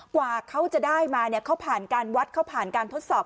กว่าเขาจะได้มาเขาผ่านการวัดเขาผ่านการทดสอบ